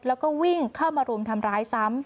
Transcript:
แล้วก็วิ่งเข้ามารุมทำร้ายซ้ำ